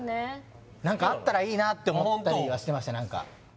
何かあったらいいなって思ったりはしてました